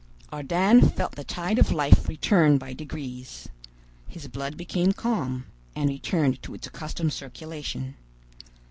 Ardan felt the tide of life return by degrees. His blood became calm, and returned to its accustomed circulation.